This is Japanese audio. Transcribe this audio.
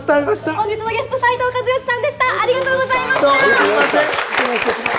本日のゲスト、斉藤和義さんでした。